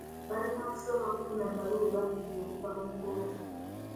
Balina kusooka kufuna bbaluwa ebakkiriza okuva mu kkooti.